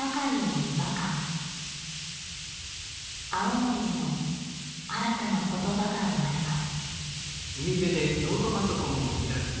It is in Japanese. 青森でも新たな言葉が生まれます。